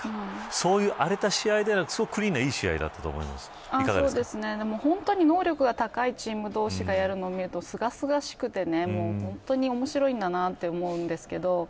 そういう荒れた試合ではなくクリーンな、いい試合だったと本当に能力が高いチーム同士がやるの見ると清々しくて本当に面白いんだなと思うんですけど。